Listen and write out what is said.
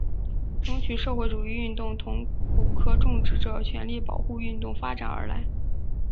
争取社会主义运动从古柯种植者权利保护运动发展而来。